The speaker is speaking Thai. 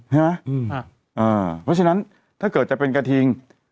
เพราะฉะนั้นถ้าเกิดจะเป็นกระทิง